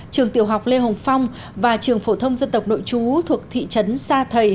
trường tiểu học lê hồng phong và trường phổ thông dân tộc nội chú thuộc thị trấn sa thầy